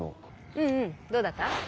うんうんどうだった？